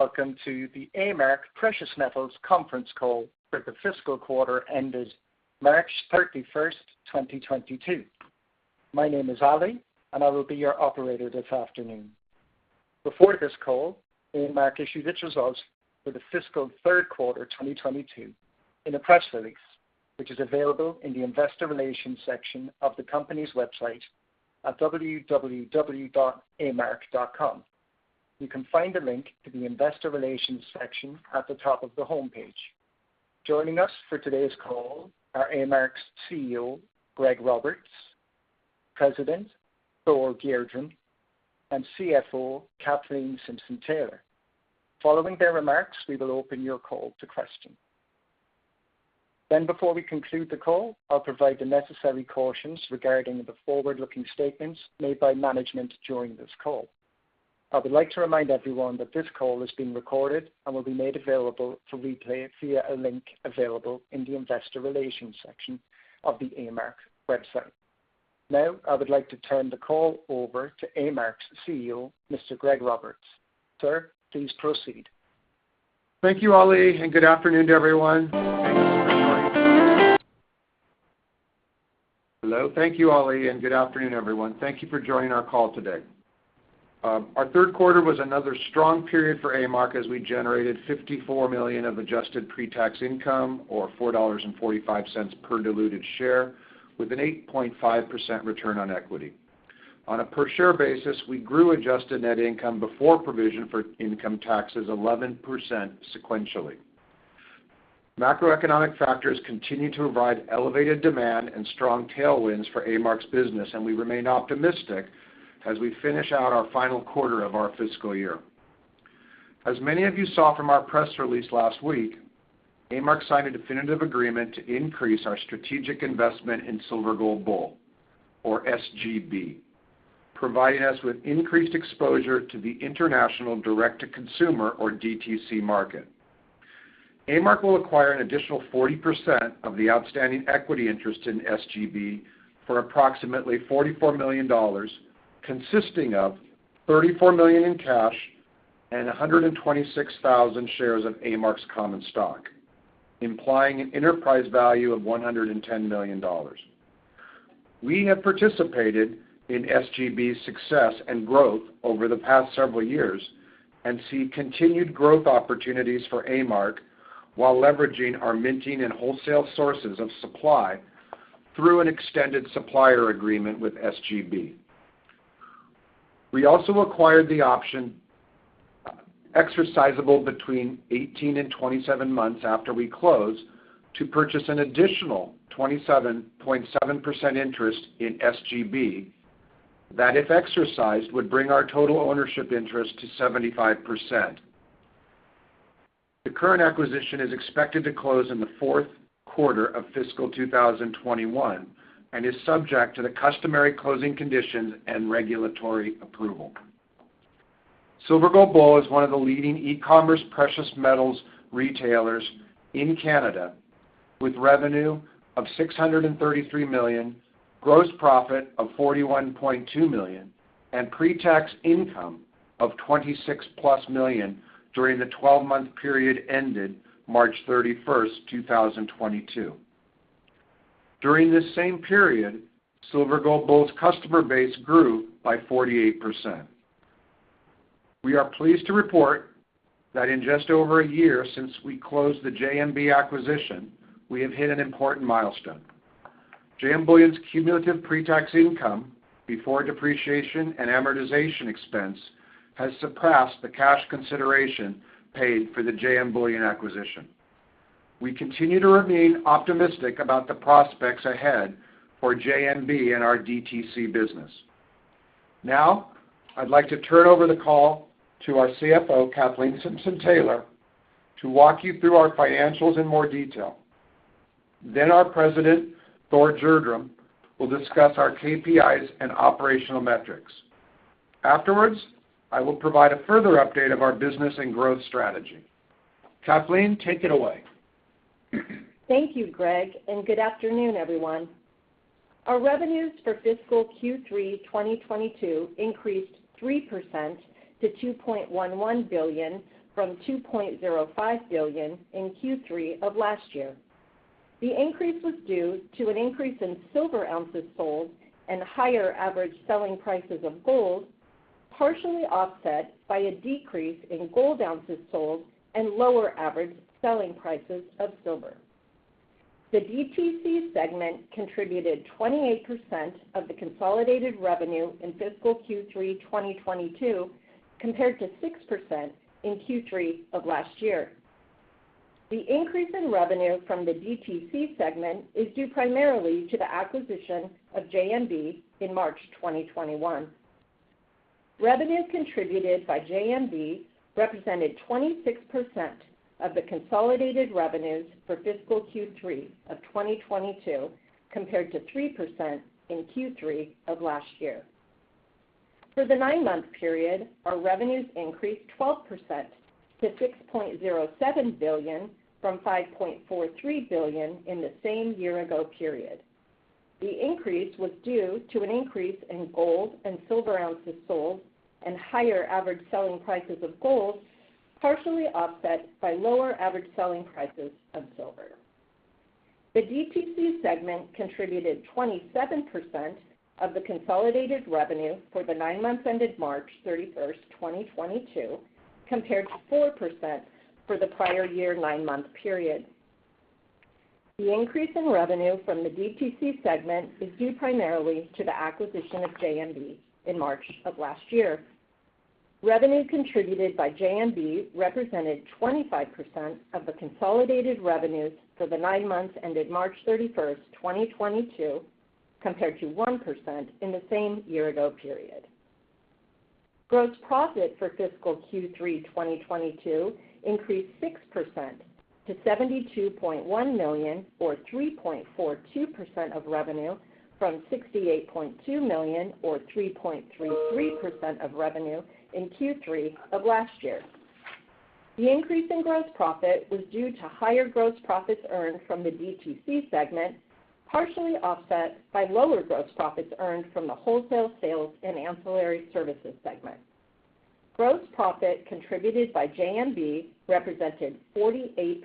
Welcome to the A-Mark conference call for the fiscal quarter ended March 31, 2022. My name is Ali, and I will be your operator this afternoon. Before this call, A-Mark issued its results for the fiscal Q3 2022 in a press release, which is available in the investor relations section of the company's website at www.amark.com. You can find a link to the investor relations section at the top of the homepage. Joining us for today's call are A-Mark's CEO, Greg Roberts; President, Thor Gjerdrum; and CFO, Kathleen Simpson-Taylor. Following their remarks, we will open the call to questions. Before we conclude the call, I'll provide the necessary cautions regarding the forward-looking statements made by management during this call. I would like to remind everyone that this call is being recorded and will be made available for replay via a link available in the investor relations section of the A-Mark website. Now, I would like to turn the call over to A-Mark's CEO, Mr. Greg Roberts. Sir, please proceed. Thank you, Ali, and good afternoon, everyone. Thank you for joining our call today. Our Q3 was another strong period for A-Mark as we generated $54 million of adjusted pre-tax income or $4.45 per diluted share with an 8.5% return on equity. On a per share basis, we grew adjusted net income before provision for income taxes 11% sequentially. Macroeconomic factors continue to provide elevated demand and strong tailwinds for A-Mark's business, and we remain optimistic as we finish out our final quarter of our fiscal year. As many of you saw from our press release last week, A-Mark signed a definitive agreement to increase our strategic investment in Silver Gold Bull or SGB, providing us with increased exposure to the international Direct-to-Consumer or DTC market. A-Mark will acquire an additional 40% of the outstanding equity interest in SGB for approximately $44 million, consisting of $34 million in cash and 126,000 shares of A-Mark's common stock, implying an enterprise value of $110 million. We have participated in SGB's success and growth over the past several years and see continued growth opportunities for A-Mark while leveraging our minting and wholesale sources of supply through an extended supplier agreement with SGB. We also acquired the option, exercisable between 18 and 27 months after we close to purchase an additional 27.7% interest in SGB that, if exercised, would bring our total ownership interest to 75%. The current acquisition is expected to close in the Q4 of fiscal 2022 and is subject to the customary closing conditions and regulatory approval. Silver Gold Bull is one of the leading e-commerce precious metals retailers in Canada with revenue of $633 million, gross profit of $41.2 million, and pre-tax income of $26+ million during the 12-month period ended March 31, 2022. During this same period, Silver Gold Bull's customer base grew by 48%. We are pleased to report that in just over a year since we closed the JMB acquisition, we have hit an important milestone. JM Bullion's cumulative pre-tax income before depreciation and amortization expense has surpassed the cash consideration paid for the JM Bullion acquisition. We continue to remain optimistic about the prospects ahead for JMB in our DTC business. Now, I'd like to turn over the call to our CFO, Kathleen Simpson-Taylor, to walk you through our financials in more detail. Our President, Thor Gjerdrum, will discuss our KPIs and operational metrics. Afterwards, I will provide a further update of our business and growth strategy. Kathleen, take it away. Thank you, Greg, and good afternoon, everyone. Our revenues for fiscal Q3 2022 increased 3% to $2.11 billion from $2.05 billion in Q3 of last year. The increase was due to an increase in silver ounces sold and higher average selling prices of gold, partially offset by a decrease in gold ounces sold and lower average selling prices of silver. The DTC segment contributed 28% of the consolidated revenue in fiscal Q3 2022, compared to 6% in Q3 of last year. The increase in revenue from the DTC segment is due primarily to the acquisition of JMB in March 2021. Revenue contributed by JMB represented 26% of the consolidated revenues for fiscal Q3 of 2022, compared to 3% in Q3 of last year. For the nine-month period, our revenues increased 12% to $6.07 billion from $5.43 billion in the same year-ago period. The increase was due to an increase in gold and silver ounces sold and higher average selling prices of gold, partially offset by lower average selling prices of silver. The DTC segment contributed 27% of the consolidated revenue for the nine months ended March 31, 2022, compared to 4% for the prior year nine-month period. The increase in revenue from the DTC segment is due primarily to the acquisition of JMB in March of last year. Revenue contributed by JMB represented 25% of the consolidated revenues for the nine months ended March 31, 2022, compared to 1% in the same year-ago period. Gross profit for fiscal Q3 2022 increased 6% to $72.1 million, or 3.42% of revenue, from $68.2 million or 3.33% of revenue in Q3 of last year. The increase in gross profit was due to higher gross profits earned from the DTC segment, partially offset by lower gross profits earned from the wholesale sales and ancillary services segment. Gross profit contributed by JMB represented 48%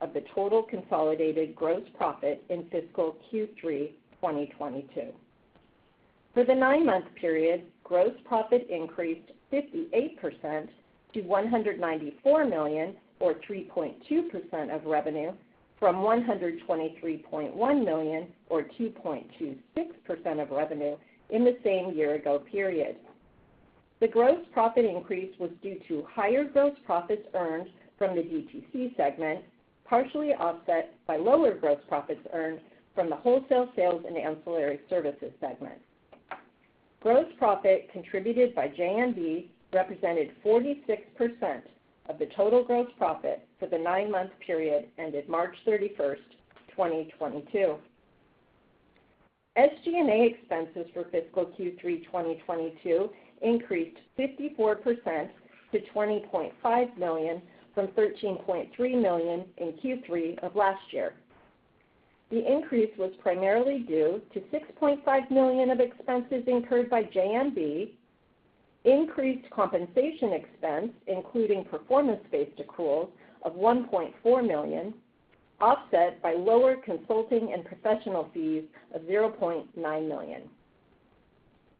of the total consolidated gross profit in fiscal Q3 2022. For the nine-month period, gross profit increased 58% to $194 million or 3.2% of revenue from $123.1 million or 2.26% of revenue in the same year-ago period. The gross profit increase was due to higher gross profits earned from the DTC segment, partially offset by lower gross profits earned from the wholesale sales and ancillary services segment. Gross profit contributed by JMB represented 46% of the total gross profit for the nine-month period ended March 31, 2022. SG&A expenses for fiscal Q3 2022 increased 54% to $20.5 million from $13.3 million in Q3 of last year. The increase was primarily due to $6.5 million of expenses incurred by JMB, increased compensation expense, including performance-based accruals of $1.4 million, offset by lower consulting and professional fees of $0.9 million.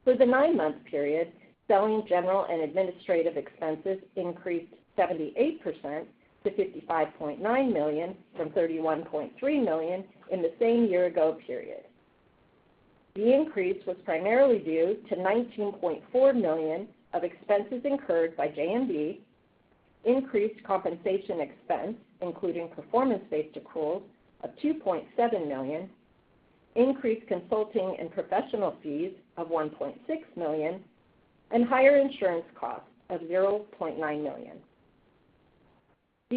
For the nine-month period, selling, general and administrative expenses increased 78% to $55.9 million from $31.3 million in the same year-ago period. The increase was primarily due to $19.4 million of expenses incurred by JMB, increased compensation expense, including performance-based accruals of $2.7 million, increased consulting and professional fees of $1.6 million, and higher insurance costs of $0.9 million.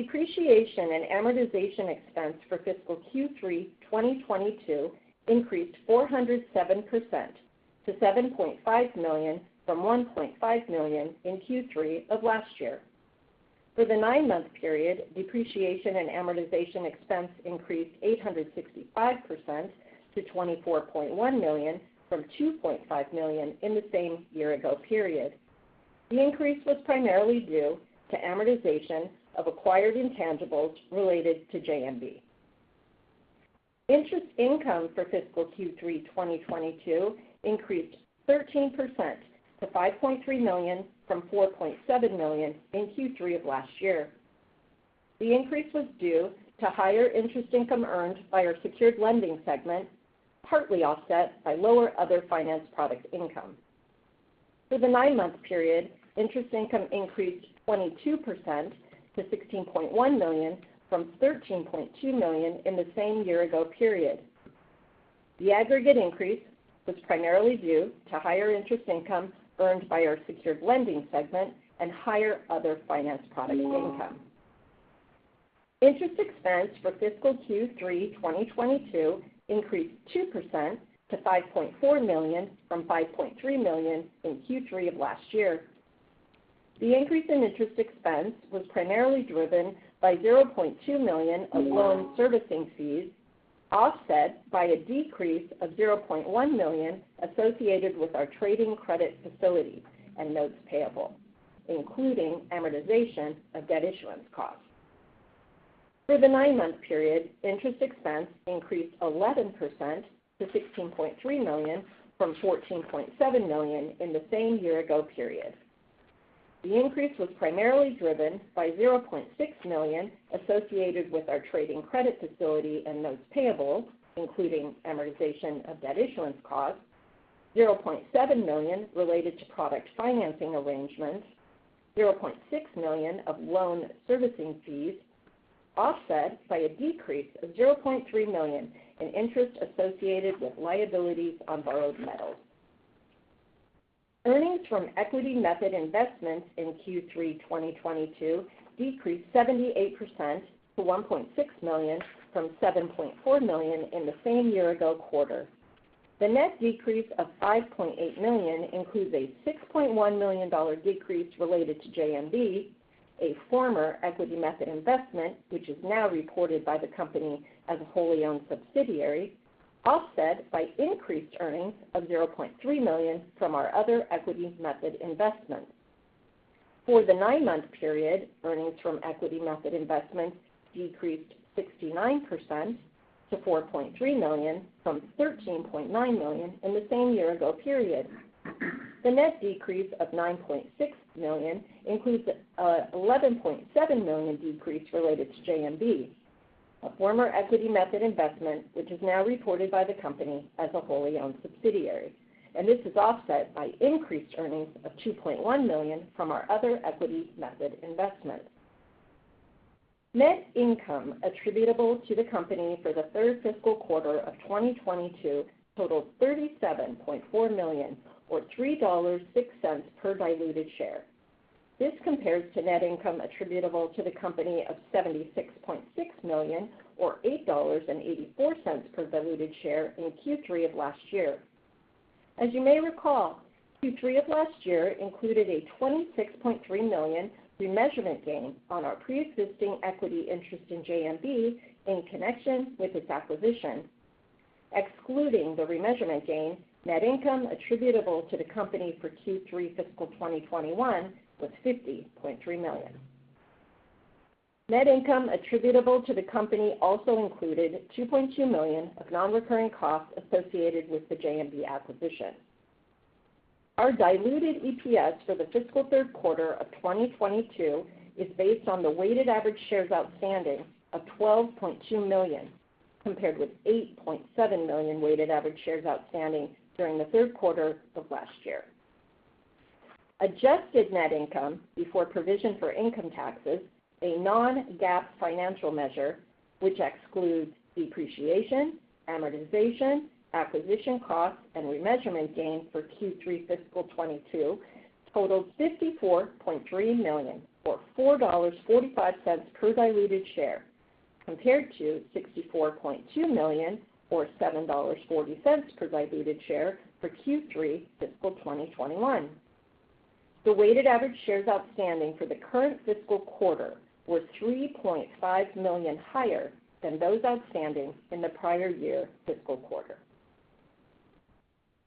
Depreciation and amortization expense for fiscal Q3 2022 increased 407% to $7.5 million from $1.5 million in Q3 of last year. For the nine-month period, depreciation and amortization expense increased 865% to $24.1 million from $2.5 million in the same year-ago period. The increase was primarily due to amortization of acquired intangibles related to JMB. Interest income for fiscal Q3 2022 increased 13% to $5.3 million from $4.7 million in Q3 of last year. The increase was due to higher interest income earned by our secured lending segment, partly offset by lower other finance product income. For the nine-month period, interest income increased 22% to $16.1 million from $13.2 million in the same year-ago period. The aggregate increase was primarily due to higher interest income earned by our secured lending segment and higher other finance product income. Interest expense for fiscal Q3 2022 increased 2% to $5.4 million from $5.3 million in Q3 of last year. The increase in interest expense was primarily driven by $0.2 million of loan servicing fees, offset by a decrease of $0.1 million associated with our trading credit facility and notes payable, including amortization of debt issuance costs. For the nine-month period, interest expense increased 11% to $16.3 million from $14.7 million in the same year-ago period. The increase was primarily driven by $0.6 million associated with our trading credit facility and notes payable, including amortization of debt issuance costs, $0.7 million related to product financing arrangements, $0.6 million of loan servicing fees, offset by a decrease of $0.3 million in interest associated with liabilities on borrowed metals. Earnings from equity method investments in Q3 2022 decreased 78% to $1.6 million from $7.4 million in the same year-ago quarter. The net decrease of $5.8 million includes a $6.1 million decrease related to JMB, a former equity method investment, which is now reported by the company as a wholly-owned subsidiary, offset by increased earnings of $0.3 million from our other equity method investments. For the nine-month period, earnings from equity method investments decreased 69% to $4.3 million from $13.9 million in the same year-ago period. The net decrease of $9.6 million includes $11.7 million decrease related to JMB, a former equity method investment, which is now reported by the company as a wholly-owned subsidiary, and this is offset by increased earnings of $2.1 million from our other equity method investments. Net income attributable to the company for the third fiscal quarter of 2022 totaled $37.4 million or $3.06 per diluted share. This compares to net income attributable to the company of $76.6 million or $8.84 per diluted share in Q3 of last year. As you may recall, Q3 of last year included a $26.3 million remeasurement gain on our preexisting equity interest in JMB in connection with its acquisition. Excluding the remeasurement gain, net income attributable to the company for Q3 fiscal 2021 was $50.3 million. Net income attributable to the company also included $2.2 million of non-recurring costs associated with the JMB acquisition. Our diluted EPS for the fiscal Q3 of 2022 is based on the weighted average shares outstanding of 12.2 million, compared with 8.7 million weighted average shares outstanding during the Q3 of last year. Adjusted net income before provision for income taxes, a non-GAAP financial measure, which excludes depreciation, amortization, acquisition costs, and remeasurement gain for Q3 fiscal 2022 totaled $54.3 million or $4.45 per diluted share, compared to $64.2 million or $7.40 per diluted share for Q3 fiscal 2021. The weighted average shares outstanding for the current fiscal quarter were 3.5 million higher than those outstanding in the prior year fiscal quarter.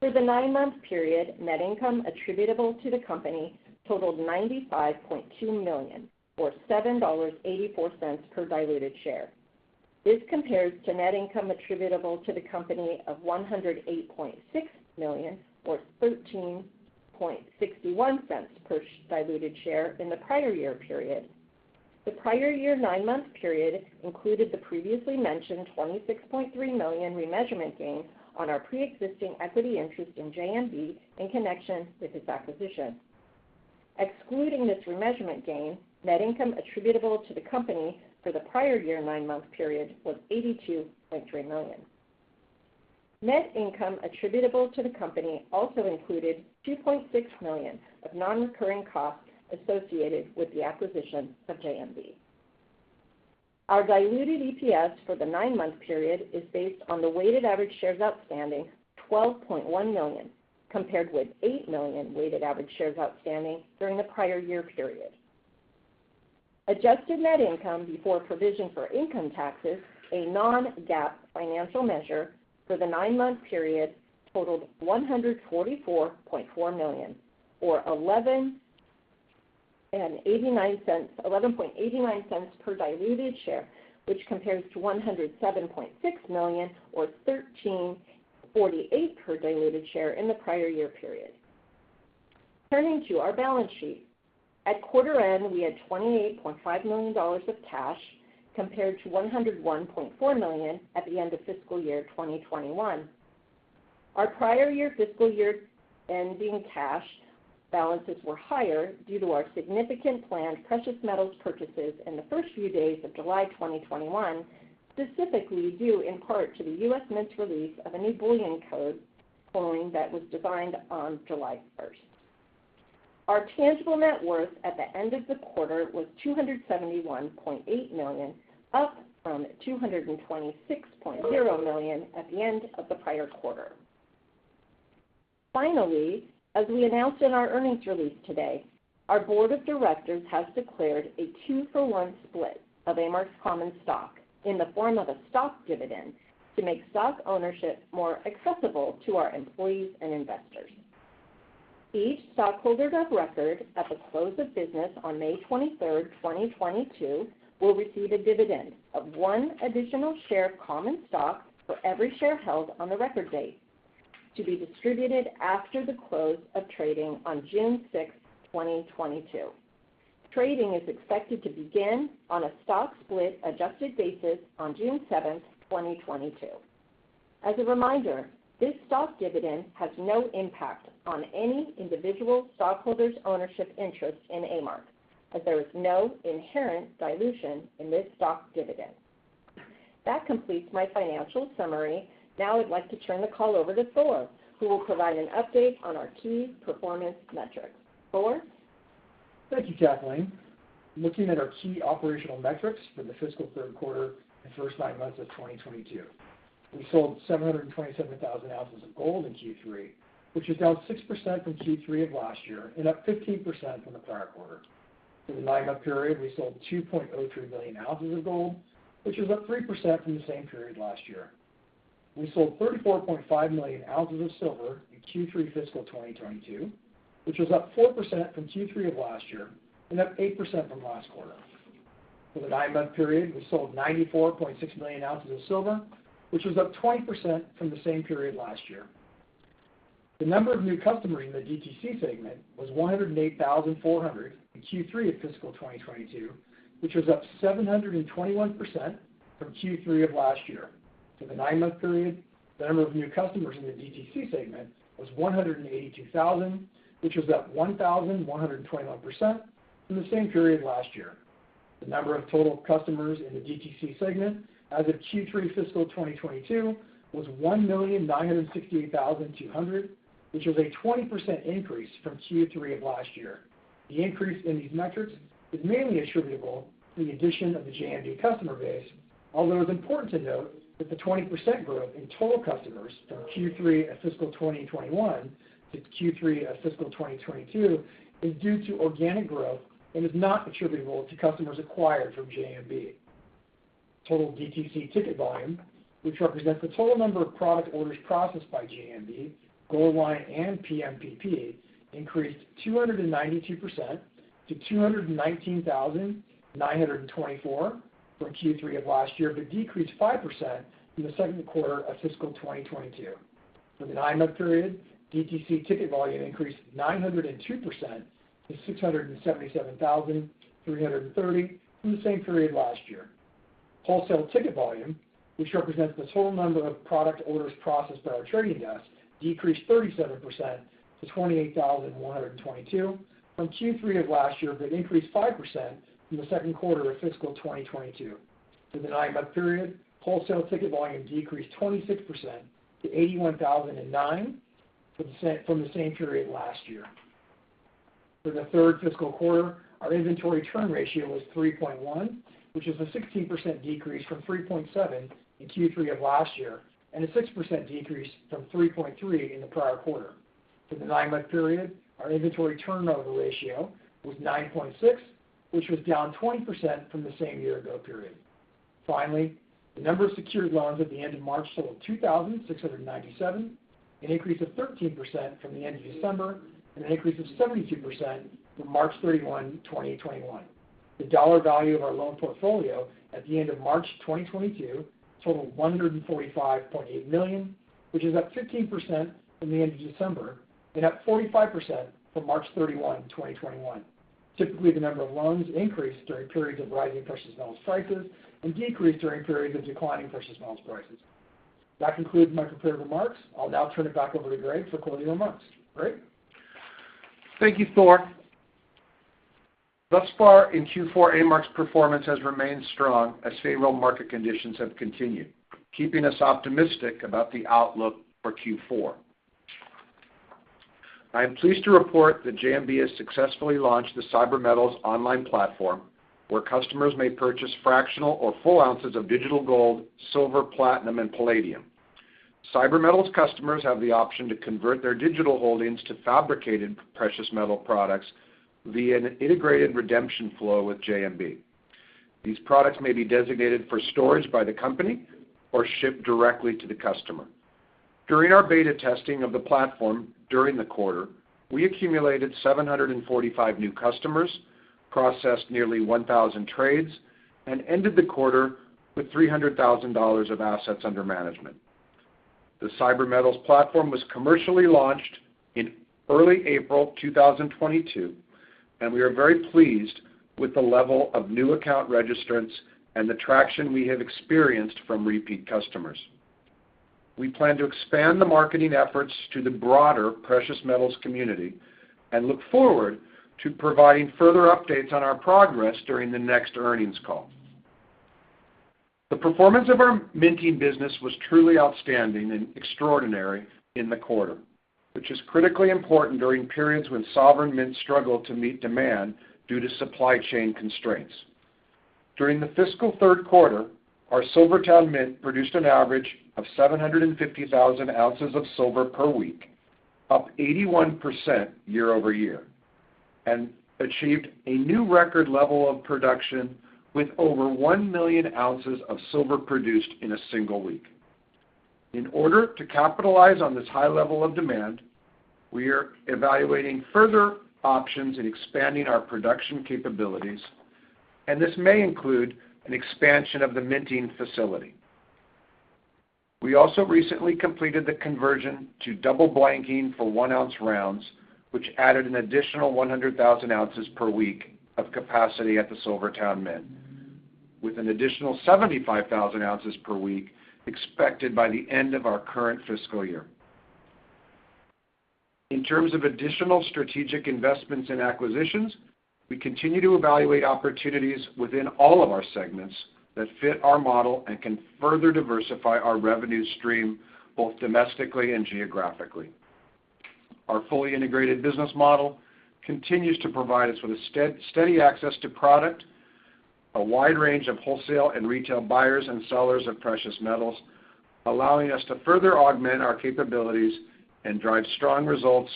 For the nine-month period, net income attributable to the company totaled $95.2 million or $7.84 per diluted share. This compares to net income attributable to the company of $108.6 million or $13.61 per diluted share in the prior year period. The prior year nine-month period included the previously mentioned $26.3 million remeasurement gain on our preexisting equity interest in JMB in connection with its acquisition. Excluding this remeasurement gain, net income attributable to the company for the prior year nine-month period was $82.3 million. Net income attributable to the company also included $2.6 million of non-recurring costs associated with the acquisition of JMB. Our diluted EPS for the nine-month period is based on the weighted average shares outstanding, 12.1 million, compared with 8 million weighted average shares outstanding during the prior year period. Adjusted net income before provision for income taxes, a non-GAAP financial measure for the nine-month period totaled $144.4 million or $11.89 per diluted share, which compares to $107.6 million or $13.48 per diluted share in the prior year period. Turning to our balance sheet. At quarter end, we had $28.5 million of cash, compared to $101.4 million at the end of fiscal year 2021. Our prior year, fiscal year ending cash balances were higher due to our significant planned precious metals purchases in the first few days of July 2021, specifically due in part to the U.S. Mint's release of a new bullion coin that was designed on July 1. Our tangible net worth at the end of the quarter was $271.8 million, up from $226.0 million at the end of the prior quarter. Finally, as we announced in our earnings release today, our board of directors has declared a two-for-one split of A-Mark's common stock in the form of a stock dividend to make stock ownership more accessible to our employees and investors. Each stockholder of record at the close of business on May 23, 2022, will receive a dividend of one additional share of common stock for every share held on the record date, to be distributed after the close of trading on June 6, 2022. Trading is expected to begin on a stock split adjusted basis on June 7, 2022. As a reminder, this stock dividend has no impact on any individual stockholder's ownership interest in A-Mark, as there is no inherent dilution in this stock dividend. That completes my financial summary. Now I'd like to turn the call over to Thor, who will provide an update on our key performance metrics. Thor? Thank you, Kathleen. Looking at our key operational metrics for the fiscal Q3 and first nine months of 2022. We sold 727,000 ounces of gold in Q3, which is down 6% from Q3 of last year and up 15% from the prior quarter. For the nine-month period, we sold 2.03 million ounces of gold, which is up 3% from the same period last year. We sold 34.5 million ounces of silver in Q3 fiscal 2022, which was up 4% from Q3 of last year and up 8% from last quarter. For the nine-month period, we sold 94.6 million ounces of silver, which was up 20% from the same period last year. The number of new customers in the DTC segment was 108,400 in Q3 of fiscal 2022, which was up 721% from Q3 of last year. For the nine-month period, the number of new customers in the DTC segment was 182,000, which was up 1,121% from the same period last year. The number of total customers in the DTC segment as of Q3 fiscal 2022 was 1,968,200, which was a 20% increase from Q3 of last year. The increase in these metrics is mainly attributable to the addition of the JMB customer base, although it's important to note that the 20% growth in total customers from Q3 of fiscal 2021 to Q3 of fiscal 2022 is due to organic growth and is not attributable to customers acquired from JMB. Total DTC ticket volume, which represents the total number of product orders processed by JMB, Goldline, and LPM, increased 292% to 219,924 from Q3 of last year, but decreased 5% from the Q2 of fiscal 2022. For the nine-month period, DTC ticket volume increased 902% to 677,330 from the same period last year. Wholesale ticket volume, which represents the total number of product orders processed by our trading desk, decreased 37% to 28,112 from Q3 of last year, but increased 5% from the Q2 of fiscal 2022. For the nine-month period, wholesale ticket volume decreased 26% to 81,009 from the same period last year. For the third fiscal quarter, our inventory turn ratio was 3.1, which is a 16% decrease from 3.7 in Q3 of last year and a 6% decrease from 3.3 in the prior quarter. For the nine-month period, our inventory turnover ratio was 9.6, which was down 20% from the same year ago period. Finally, the number of secured loans at the end of March totaled 2,697, an increase of 13% from the end of December, and an increase of 72% from March 31, 2021. The dollar value of our loan portfolio at the end of March 2022 totaled $145.8 million, which is up 15% from the end of December and up 45% from March 31, 2021. Typically, the number of loans increase during periods of rising precious metals prices and decrease during periods of declining precious metals prices. That concludes my prepared remarks. I'll now turn it back over to Greg for closing remarks. Greg? Thank you, Thor. Thus far in Q4, A-Mark's performance has remained strong as favorable market conditions have continued, keeping us optimistic about the outlook for Q4. I am pleased to report that JMB has successfully launched the Cyber Metals online platform, where customers may purchase fractional or full ounces of digital gold, silver, platinum, and palladium. Cyber Metals customers have the option to convert their digital holdings to fabricated precious metal products via an integrated redemption flow with JMB. These products may be designated for storage by the company or shipped directly to the customer. During our beta testing of the platform during the quarter, we accumulated 745 new customers, processed nearly 1,000 trades, and ended the quarter with $300,000 of assets under management. The Cyber Metals platform was commercially launched in early April 2022, and we are very pleased with the level of new account registrants and the traction we have experienced from repeat customers. We plan to expand the marketing efforts to the broader precious metals community and look forward to providing further updates on our progress during the next earnings call. The performance of our minting business was truly outstanding and extraordinary in the quarter, which is critically important during periods when sovereign mints struggle to meet demand due to supply chain constraints. During the fiscal Q3, our SilverTowne Mint produced an average of 750,000 ounces of silver per week, up 81% year-over-year, and achieved a new record level of production with over 1 million ounces of silver produced in a single week. In order to capitalize on this high level of demand, we are evaluating further options in expanding our production capabilities, and this may include an expansion of the minting facility. We also recently completed the conversion to double blanking for 1-ounce rounds, which added an additional 100,000 ounces per week of capacity at the SilverTowne Mint, with an additional 75,000 ounces per week expected by the end of our current fiscal year. In terms of additional strategic investments and acquisitions, we continue to evaluate opportunities within all of our segments that fit our model and can further diversify our revenue stream, both domestically and geographically. Our fully integrated business model continues to provide us with a steady access to product, a wide range of wholesale and retail buyers and sellers of precious metals, allowing us to further augment our capabilities and drive strong results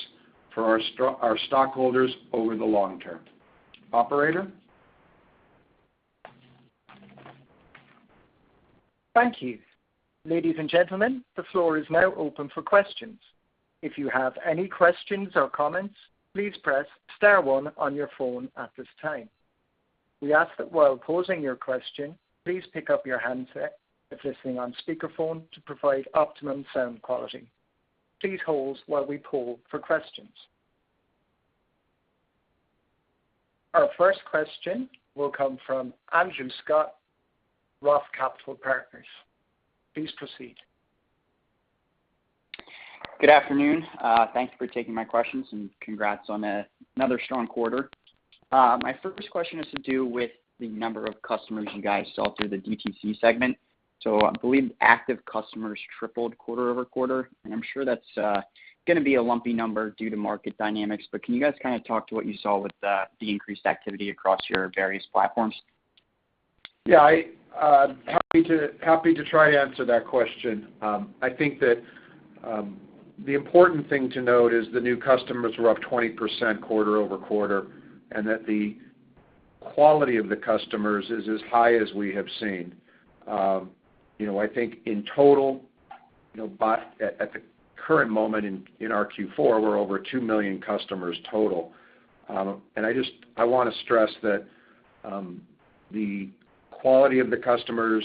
for our stockholders over the long term. Operator? Thank you. Ladies and gentlemen, the floor is now open for questions. If you have any questions or comments, please press star one on your phone at this time. We ask that while posing your question, please pick up your handset if listening on speakerphone to provide optimum sound quality. Please hold while we poll for questions. Our first question will come from Andrew Scutt, ROTH Capital Partners. Please proceed. Good afternoon. Thank you for taking my questions, and congrats on another strong quarter. My first question has to do with the number of customers you guys saw through the DTC segment. I believe active customers tripled quarter-over-quarter, and I'm sure that's gonna be a lumpy number due to market dynamics, but can you guys kinda talk to what you saw with the increased activity across your various platforms? Yeah, happy to try to answer that question. I think that the important thing to note is the new customers were up 20% quarter-over-quarter, and that the quality of the customers is as high as we have seen. I think in total, at the current moment in our Q4, we're over two million customers total. I wanna stress that the quality of the customers,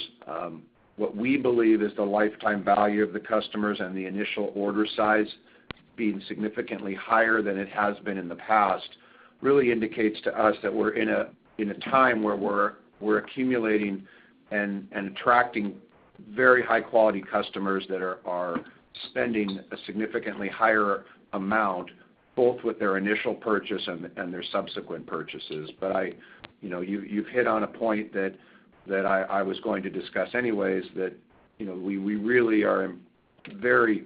what we believe is the lifetime value of the customers and the initial order size being significantly higher than it has been in the past, really indicates to us that we're in a time where we're accumulating and attracting very high quality customers that are spending a significantly higher amount, both with their initial purchase and their subsequent purchases. You know, you've hit on a point that I was going to discuss anyways, that you know, we really are very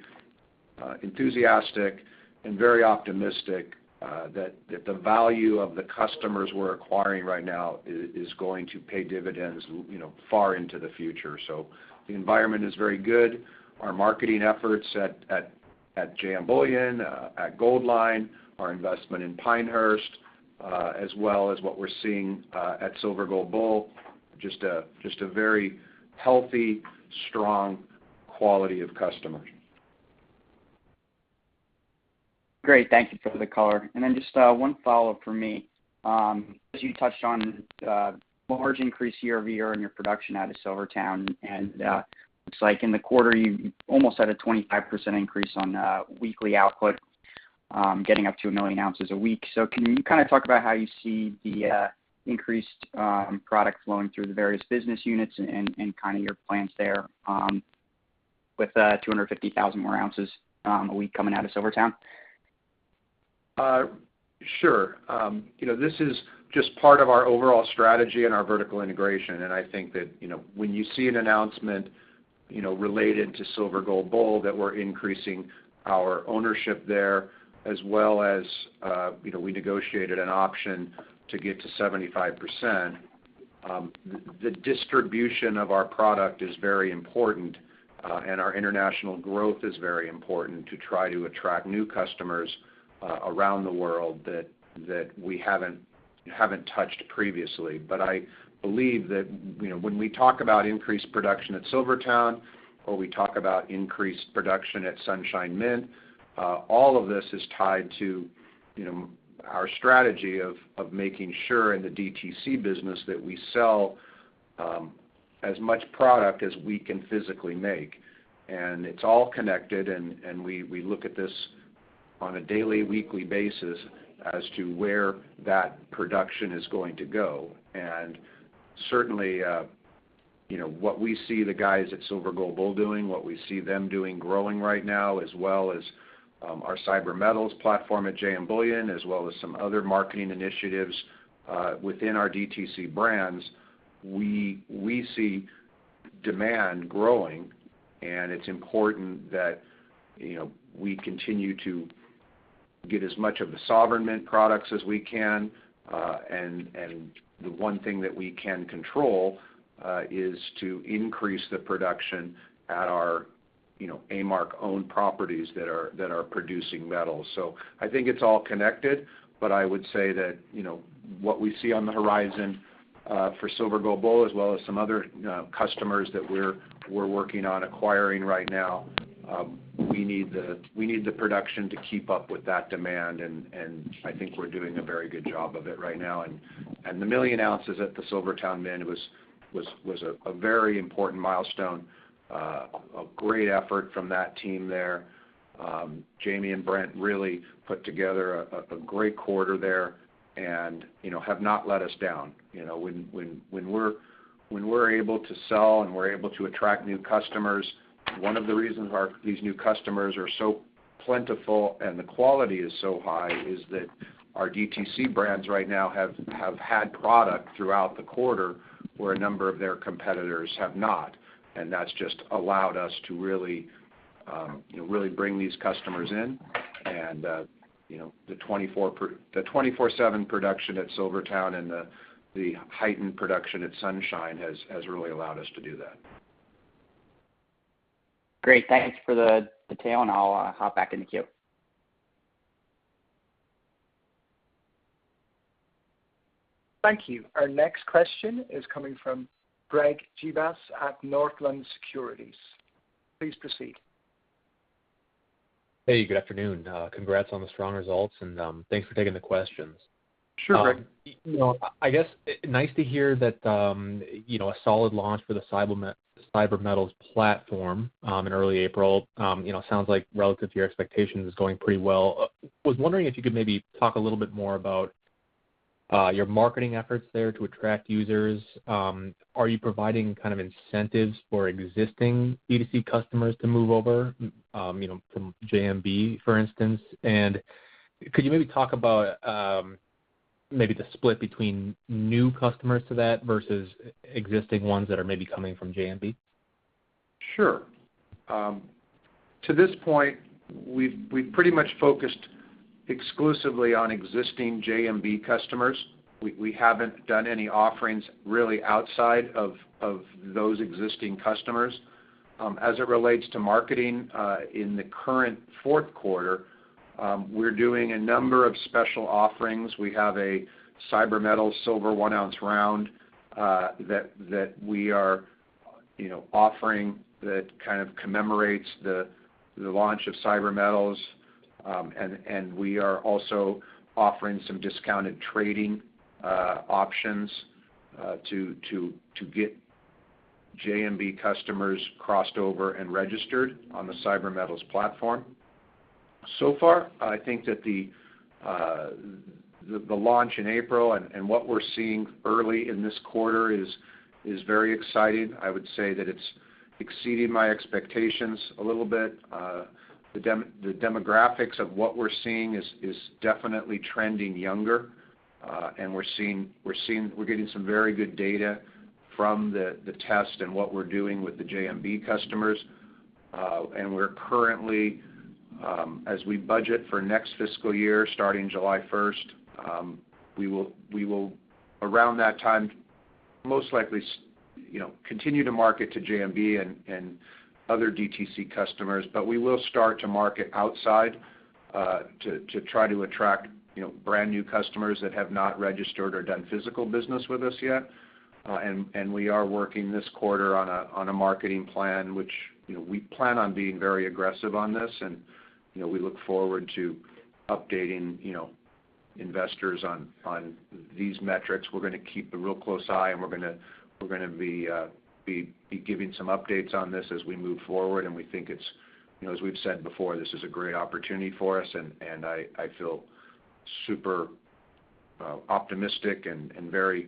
enthusiastic and very optimistic that the value of the customers we're acquiring right now is going to pay dividends, you know, far into the future. The environment is very good. Our marketing efforts at JM Bullion, at Goldline, our investment in Pinehurst, as well as what we're seeing at Silver Gold Bull, just a very healthy, strong quality of customers. Great. Thank you for the color. Just one follow-up from me. As you touched on, large increase year-over-year in your production out of SilverTowne, and looks like in the quarter, you almost had a 25% increase in weekly output, getting up to 1 million ounces a week. Can you kind of talk about how you see the increased product flowing through the various business units and kind of your plans there, with 250,000 more ounces a week coming out of SilverTowne? Sure. You know, this is just part of our overall strategy and our vertical integration. I think that, you know, when you see an announcement, you know, related to Silver Gold Bull that we're increasing our ownership there, as well as, you know, we negotiated an option to get to 75%, the distribution of our product is very important, and our international growth is very important to try to attract new customers, around the world that we haven't touched previously. I believe that, you know, when we talk about increased production at Silver Towne or we talk about increased production at Sunshine Mint, all of this is tied to, you know, our strategy of making sure in the DTC business that we sell, as much product as we can physically make. It's all connected, and we look at this on a daily, weekly basis as to where that production is going to go. Certainly, you know, what we see the guys at Silver Gold Bull doing, what we see them doing growing right now, as well as our Cyber Metals platform at JM Bullion, as well as some other marketing initiatives within our DTC brands, we see demand growing, and it's important that, you know, we continue to get as much of the sovereign mint products as we can. The one thing that we can control is to increase the production at our, you know, A-Mark owned properties that are producing metals. I think it's all connected, but I would say that, you know, what we see on the horizon for Silver Gold Bull, as well as some other customers that we're working on acquiring right now, we need the production to keep up with that demand. I think we're doing a very good job of it right now. The 1 million ounces at the Silver Towne Mint was a very important milestone. A great effort from that team there. Jamie and Brent really put together a great quarter there and, you know, have not let us down. You know, when we're able to sell and we're able to attract new customers, one of the reasons these new customers are so plentiful and the quality is so high is that our DTC brands right now have had product throughout the quarter where a number of their competitors have not. That's just allowed us to really, you know, really bring these customers in and, you know, the 24/7 production at SilverTowne and the heightened production at Sunshine has really allowed us to do that. Great. Thanks for the detail, and I'll hop back in the queue. Thank you. Our next question is coming from Greg Gibas at Northland Securities. Please proceed. Hey, good afternoon. Congrats on the strong results, and thanks for taking the questions. Sure, Greg. You know, I guess nice to hear that, you know, a solid launch for the Cyber Metals platform in early April. You know, sounds like relative to your expectations, it's going pretty well. Was wondering if you could maybe talk a little bit more about your marketing efforts there to attract users. Are you providing kind of incentives for existing DTC customers to move over, you know, from JMB, for instance? Could you maybe talk about maybe the split between new customers to that versus existing ones that are maybe coming from JMB? Sure. To this point, we've pretty much focused exclusively on existing JMB customers. We haven't done any offerings really outside of those existing customers. As it relates to marketing, in the current Q4, we're doing a number of special offerings. We have a Cyber Metals silver one ounce round that we are, you know, offering that kind of commemorates the launch of Cyber Metals. And we are also offering some discounted trading options to get JMB customers crossed over and registered on the Cyber Metals platform. So far, I think that the launch in April and what we're seeing early in this quarter is very exciting. I would say that it's exceeding my expectations a little bit. The demographics of what we're seeing is definitely trending younger, and we're seeing, we're getting some very good data from the test and what we're doing with the JMB customers. We're currently, as we budget for next fiscal year, starting July 1, we will around that time, most likely, you know, continue to market to JMB and other DTC customers. We will start to market outside, to try to attract, you know, brand new customers that have not registered or done physical business with us yet. We are working this quarter on a marketing plan, which, you know, we plan on being very aggressive on this. You know, we look forward to updating, you know, investors on these metrics. We're gonna keep a real close eye, and we're gonna be giving some updates on this as we move forward. We think it's, you know, as we've said before, this is a great opportunity for us, and I feel super optimistic and very,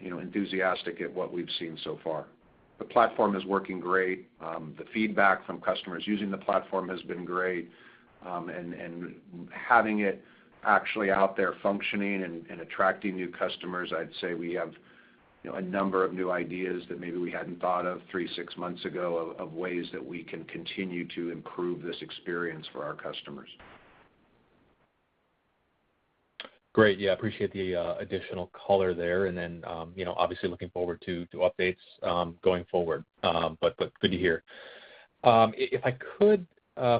you know, enthusiastic at what we've seen so far. The platform is working great. The feedback from customers using the platform has been great. Having it actually out there functioning and attracting new customers, I'd say we have, you know, a number of new ideas that maybe we hadn't thought of three, six months ago of ways that we can continue to improve this experience for our customers. Great. Yeah, appreciate the additional color there and then, you know, obviously looking forward to updates going forward. Good to hear. If I could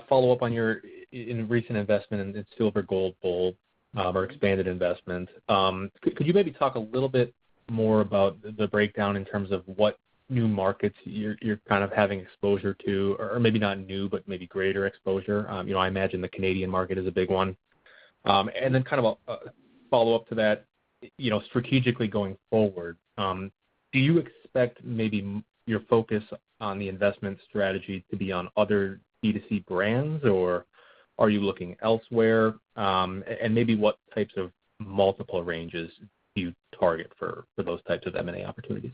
follow up on your recent investment in Silver Gold Bull, or expanded investment, could you maybe talk a little bit more about the breakdown in terms of what new markets you're kind of having exposure to? Or maybe not new, but maybe greater exposure. You know, I imagine the Canadian market is a big one. Then kind of a follow-up to that, you know, strategically going forward, do you expect maybe your focus on the investment strategy to be on other B2C brands, or are you looking elsewhere? Maybe what types of multiple ranges do you target for those types of M&A opportunities?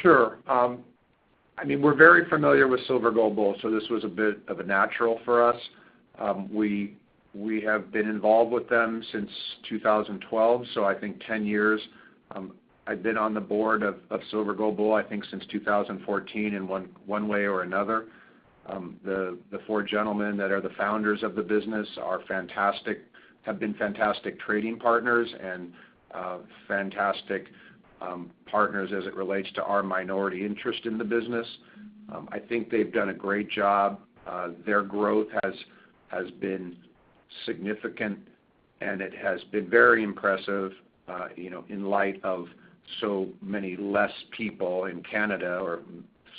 Sure. I mean, we're very familiar with Silver Gold Bull, so this was a bit of a natural for us. We have been involved with them since 2012, so I think 10 years. I've been on the board of Silver Gold Bull, I think, since 2014 in one way or another. The four gentlemen that are the founders of the business are fantastic, have been fantastic trading partners and fantastic partners as it relates to our minority interest in the business. I think they've done a great job. Their growth has been significant, and it has been very impressive, you know, in light of so many less people in Canada or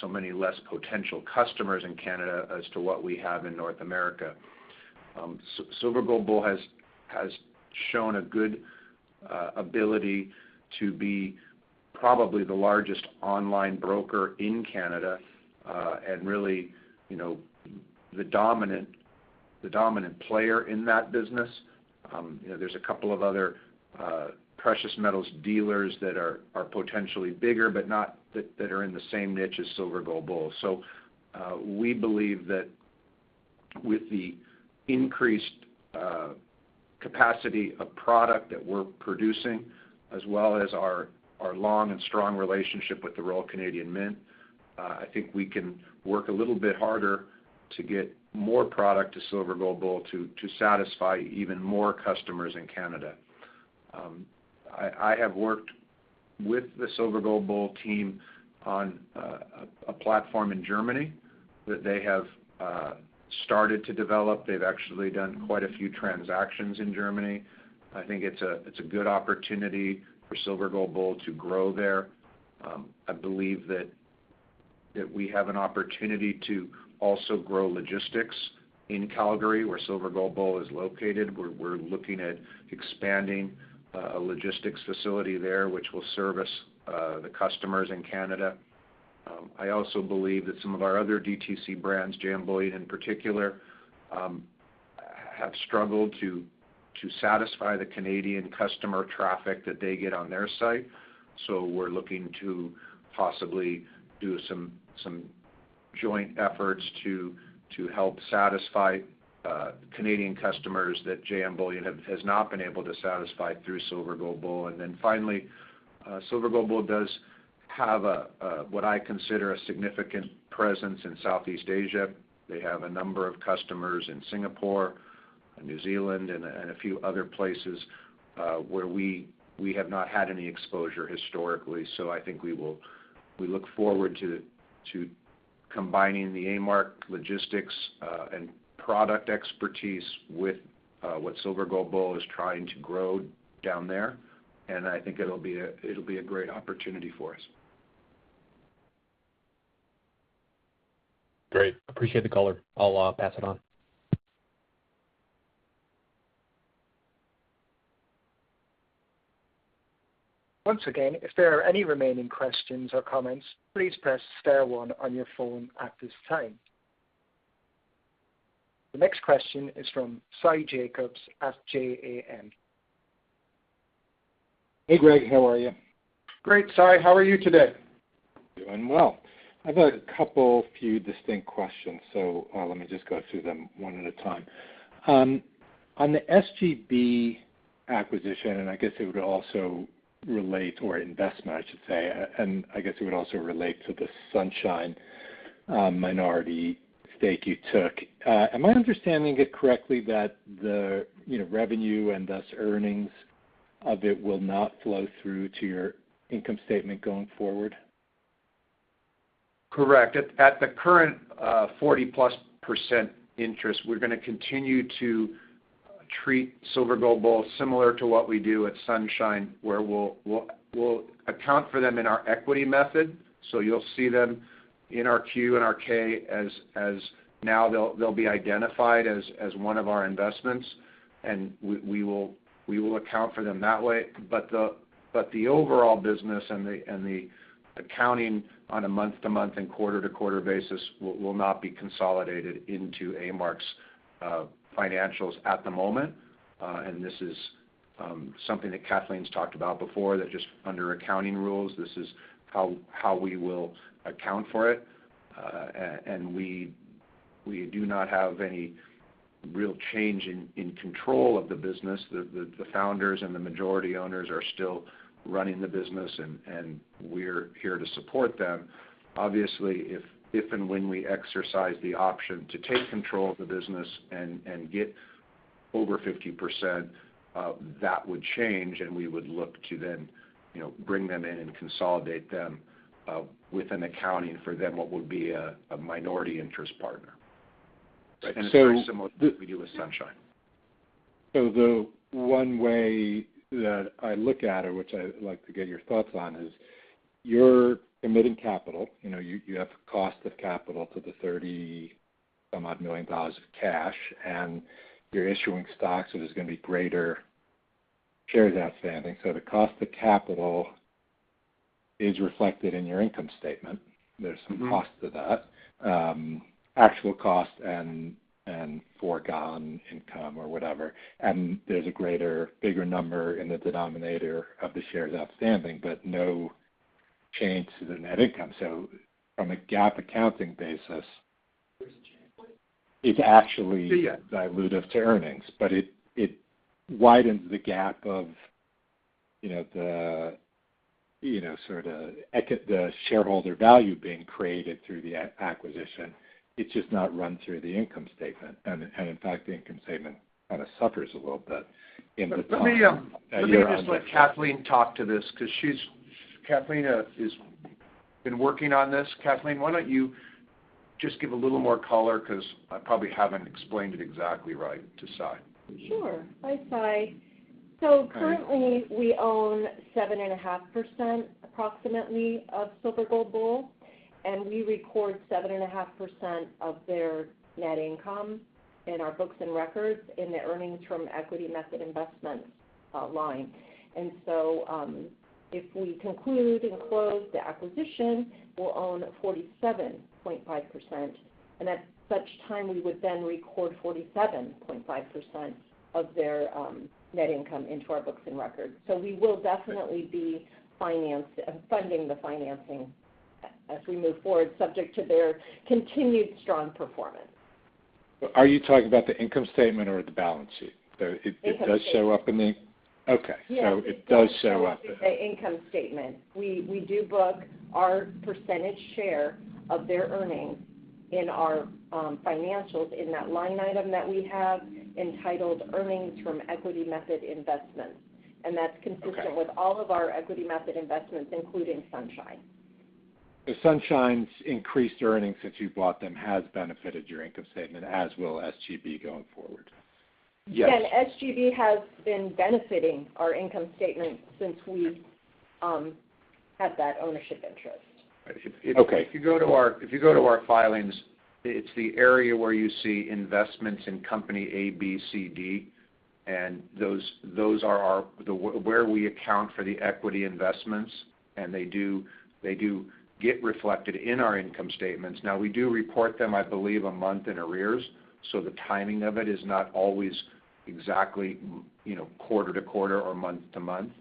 so many less potential customers in Canada as to what we have in North America. Silver Gold Bull has shown a good ability to be probably the largest online broker in Canada, and really, you know, the dominant player in that business. You know, there's a couple of other precious metals dealers that are potentially bigger, but not that are in the same niche as Silver Gold Bull. We believe that with the increased capacity of product that we're producing, as well as our long and strong relationship with the Royal Canadian Mint, I think we can work a little bit harder to get more product to Silver Gold Bull to satisfy even more customers in Canada. I have worked with the Silver Gold Bull team on a platform in Germany that they have started to develop. They've actually done quite a few transactions in Germany. I think it's a good opportunity for Silver Gold Bull to grow there. I believe that we have an opportunity to also grow logistics in Calgary, where Silver Gold Bull is located. We're looking at expanding a logistics facility there, which will service the customers in Canada. I also believe that some of our other DTC brands, JM Bullion in particular, have struggled to satisfy the Canadian customer traffic that they get on their site. We're looking to possibly do some joint efforts to help satisfy Canadian customers that JM Bullion has not been able to satisfy through Silver Gold Bull. Finally, Silver Gold Bull does have a what I consider a significant presence in Southeast Asia. They have a number of customers in Singapore and New Zealand and a few other places where we have not had any exposure historically. I think we will. We look forward to combining the A-Mark logistics and product expertise with what Silver Gold Bull is trying to grow down there, and I think it'll be a great opportunity for us. Great. Appreciate the color. I'll pass it on. Once again, if there are any remaining questions or comments, please press star one on your phone at this time. The next question is from Sy Jacobs at J.A.M. Hey, Greg. How are you? Great, Sy. How are you today? Doing well. I've got a couple few distinct questions, so let me just go through them one at a time. On the SGB acquisition, and I guess it would also relate to the investment, I should say, to the Sunshine minority stake you took. Am I understanding it correctly that the, you know, revenue and thus earnings of it will not flow through to your income statement going forward? Correct. At the current 40%+ interest, we're gonna continue to treat Silver Gold Bull similar to what we do at Sunshine, where we'll account for them in our equity method. You'll see them in our 10-Q and 10-K as now they'll be identified as one of our investments, and we will account for them that way. But the overall business and the accounting on a month-to-month and quarter-to-quarter basis will not be consolidated into A-Mark's financials at the moment. This is something that Kathleen's talked about before, that just under accounting rules, this is how we will account for it. And we do not have any real change in control of the business. The founders and the majority owners are still running the business, and we're here to support them. Obviously, if and when we exercise the option to take control of the business and get over 50%, that would change, and we would look to then, you know, bring them in and consolidate them within accounting for then what would be a minority interest partner. So- It's very similar to what we do with Sunshine. The one way that I look at it, which I'd like to get your thoughts on, is you're committing capital. You know, you have cost of capital to the $30-some-odd million of cash, and you're issuing stocks, so there's gonna be greater shares outstanding. The cost of capital is reflected in your income statement. There's some cost to that, actual cost and foregone income or whatever. There's a greater, bigger number in the denominator of the shares outstanding, but no change to the net income. From a GAAP accounting basis- There's a change. It's actually. Yeah dilutive to earnings, but it widens the gap of, you know, the shareholder value being created through the acquisition. It's just not run through the income statement. In fact, the income statement kind of suffers a little bit in the top line year-over-year. Let me just let Kathleen talk to this 'cause she's, Kathleen, has been working on this. Kathleen, why don't you just give a little more color because I probably haven't explained it exactly right to Sy. Sure. Hi, Sy. Hi. Currently we own 7.5% approximately of Silver Gold Bull, and we record 7.5% of their net income in our books and records in the earnings from equity method investments line. If we conclude and close the acquisition, we'll own 47.5%, and at such time, we would then record 47.5% of their net income into our books and records. We will definitely be funding the financing as we move forward, subject to their continued strong performance. Are you talking about the income statement or the balance sheet? Income statement Okay. Yes. It does show up. The income statement. We do book our percentage share of their earnings in our financials in that line item that we have entitled Earnings from Equity Method Investments. That's consistent... Okay with all of our equity method investments, including Sunshine. Sunshine's increased earnings since you've bought them has benefited your income statement, as will SGB going forward? Yes. Again, SGB has been benefiting our income statement since we've had that ownership interest. Okay. If you go to our filings, it's the area where you see investments in company A, B, C, D, and those are where we account for the equity investments, and they get reflected in our income statements. Now, we do report them, I believe, a month in arrears, so the timing of it is not always exactly, you know, quarter-to-quarter or month-to-month.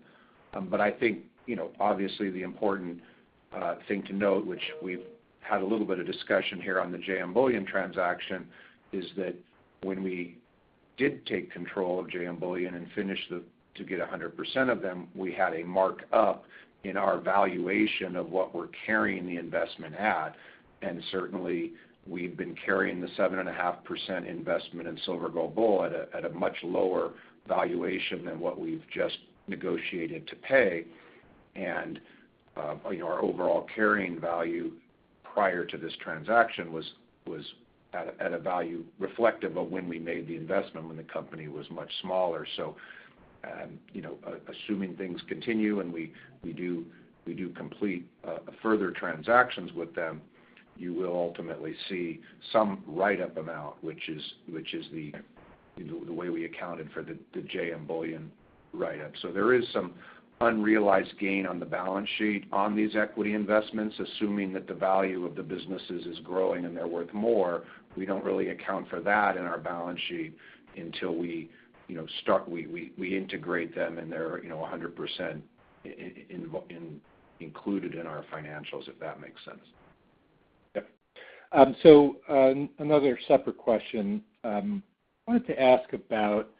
But I think, you know, obviously the important thing to note, which we've had a little bit of discussion here on the JM Bullion transaction, is that when we did take control of JM Bullion and finished to get 100% of them, we had a mark-up in our valuation of what we're carrying the investment at. Certainly, we've been carrying the 7.5% investment in Silver Gold Bull at a much lower valuation than what we've just negotiated to pay. Our overall carrying value prior to this transaction was at a value reflective of when we made the investment when the company was much smaller. You know, assuming things continue and we do complete further transactions with them, you will ultimately see some write-up amount, which is the way we accounted for the JM Bullion write-up. There is some unrealized gain on the balance sheet on these equity investments, assuming that the value of the businesses is growing and they're worth more. We don't really account for that in our balance sheet until we, you know, integrate them, and they're, you know, 100% included in our financials, if that makes sense. Yep. Another separate question. Wanted to ask about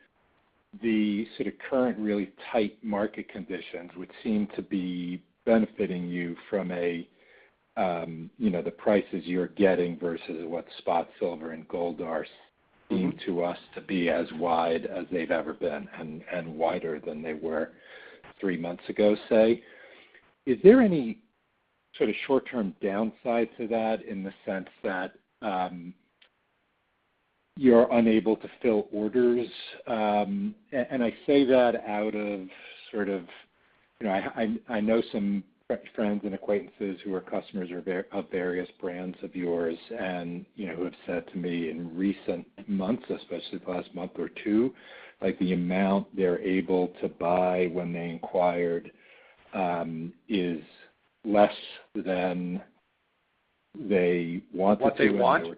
the sort of current really tight market conditions, which seem to be benefiting you from a, you know, the prices you're getting versus what spot silver and gold are seem to us to be as wide as they've ever been and wider than they were three months ago, say. Is there any sort of short-term downside to that in the sense that, you're unable to fill orders? I say that out of sort of, you know. I know some friends and acquaintances who are customers of various brands of yours, and, you know, who have said to me in recent months, especially the past month or two, like the amount they're able to buy when they inquired, is less than they want- What they want?